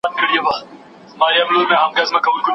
له ملا څخه خوابدې سوه عورته